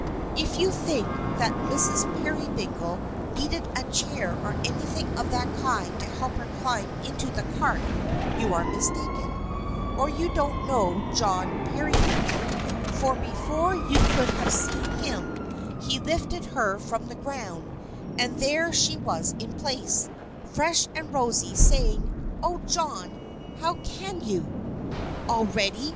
If you think that Mrs. Peerybingle needed a chair or anything of that kind to help her climb into the cart, you are mistaken, or you don't know John Peerybingle, for before you could have seen him, he lifted her from the ground; and there she was in place, fresh and rosy, saying, "Oh, John, how can you!" "All ready?"